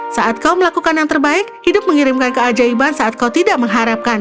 saat kau melakukan yang terbaik hidup mengirimkan keajaiban saat kau tidak mengharapkan